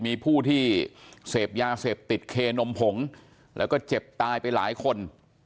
มีผู้ที่เสพยาเสพติดเคนมผงแล้วก็เจ็บตายไปหลายคน